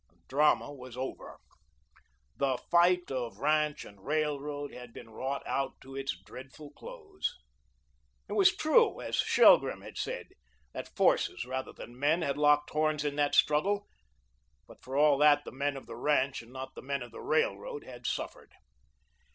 The drama was over. The fight of Ranch and Railroad had been wrought out to its dreadful close. It was true, as Shelgrim had said, that forces rather than men had locked horns in that struggle, but for all that the men of the Ranch and not the men of the Railroad had suffered.